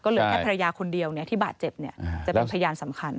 เหลือแค่ภรรยาคนเดียวที่บาดเจ็บจะเป็นพยานสำคัญ